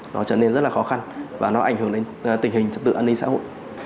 nó trở nên rất là khó khăn và nó ảnh hưởng đến tình hình trật tự an ninh xã hội